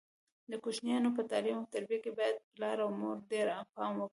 د کوچنیانو په تعلیم او تربیه کې باید پلار او مور ډېر پام وکړي.